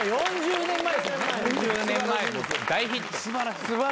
４０年前大ヒット。